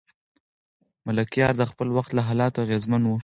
ملکیار د خپل وخت له حالاتو اغېزمن و.